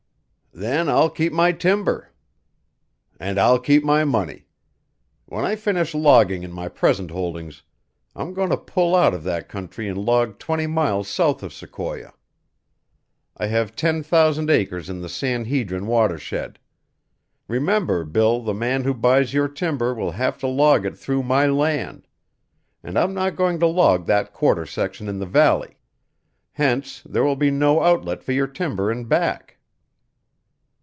"Then I'll keep my timber." "And I'll keep my money. When I finish logging in my present holdings, I'm going to pull out of that country and log twenty miles south of Sequoia. I have ten thousand acres in the San Hedrin watershed. Remember, Bill, the man who buys your timber will have to log it through my land and I'm not going to log that quarter section in the valley. Hence there will be no outlet for your timber in back."